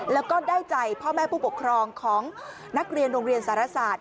แล้วก็ได้ใจพ่อแม่ผู้ปกครองของนักเรียนโรงเรียนสารศาสตร์